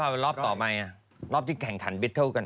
แล้วรอบต่อไปอ่ะรอบที่แข่งขันเบตเทิลกัน